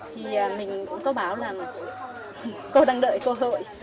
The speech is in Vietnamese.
thì mình cũng có báo là cô đang đợi cơ hội